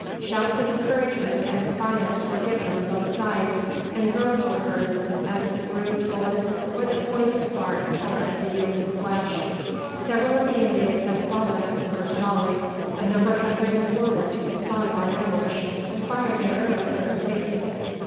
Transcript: Shouts of encouragement and defiance were given on both sides; and groans were heard, as the grooved bullet or the poisoned barb tore up the yielding flesh. Several of the Indians had fallen at the first volley. A number had ridden forward to the spot of our ambush, and fired their arrows in our faces.